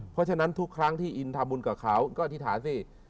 เพราะฉะนั้นทุกครั้งที่อินทำบุญกับเขาก็อธิษฐานสิ